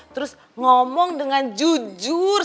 terus ngomong dengan jujur